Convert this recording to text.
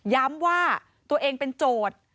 ย้ำว่าตัวเองเป็นโจทย์